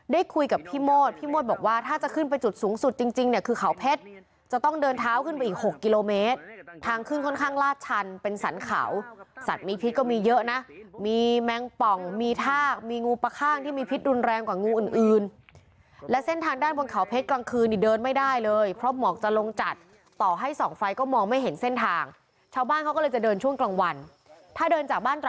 ได้คุยกับพี่มดพี่มดบอกว่าถ้าจะขึ้นไปจุดสูงสุดจริงคือเขาเพชรจะต้องเดินเท้าขึ้นไปอีก๖กิโลเมตรทางขึ้นค่อนข้างลาชันเป็นสรรเขาสัตว์มีพิษก็มีเยอะนะมีแมงป่องมีทากมีงูปลาค่างที่มีพิษดุนแรงกว่างูอื่นและเส้นทางด้านบนเขาเพชรกลางคืนเดินไม่ได้เลยเพราะหมอกจะลงจัดต่อให